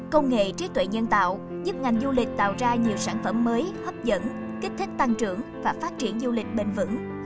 công nghệ trí tuệ nhân tạo giúp ngành du lịch tạo ra nhiều sản phẩm mới hấp dẫn kích thích tăng trưởng và phát triển du lịch bền vững